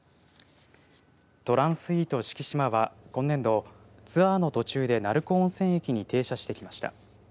トランスイート四季島は今年度、ツアーの途中で鳴子温泉駅に停車してきました。